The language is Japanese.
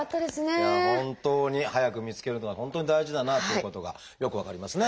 本当に早く見つけるのは本当に大事だなということがよく分かりますね。